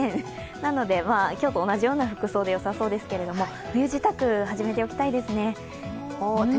なので今日と同じような服装でよさそうですけど、冬支度始めておきたいですね。